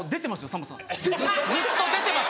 さんまさんずっと出てます。